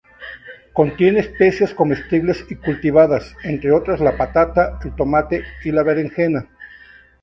Contiene especies comestibles y cultivadas, entre otras la patata, el tomate y la berenjena.